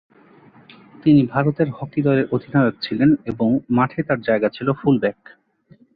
তিনি ভারতের হকি দলের অধিনায়ক ছিলেন এবং মাঠে তার জায়গা ছিল ফুল ব্যাক।